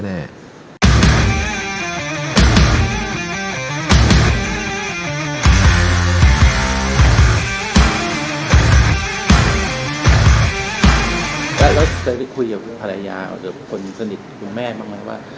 แล้วเกิดไปคุยกับภรรยาหรือคนสนิทคุณแม่บ้างนะว่า